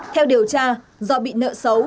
theo điều tra do bị nợ xấu